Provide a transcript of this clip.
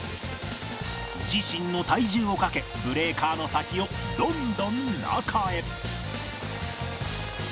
自身の体重をかけブレーカーの先をどんどん中へ